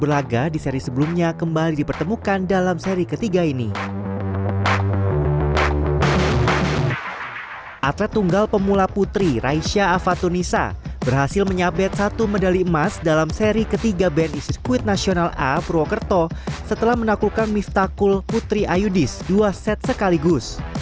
raisya afatunisa berhasil menyabet satu medali emas dalam seri ketiga bni sirkuit nasional a purwokerto setelah menaklukkan miftakul putri ayudis dua set sekaligus